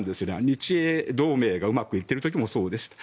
日英同盟がうまくいっている時もそうでした。